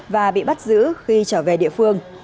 và bị bắt giữ khi trở về địa phương